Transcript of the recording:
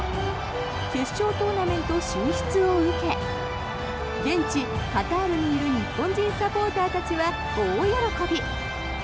決勝トーナメント進出を受け現地カタールにいる日本人サポーターたちは大喜び。